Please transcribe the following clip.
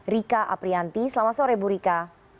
rika aprianti selamat sore bu rika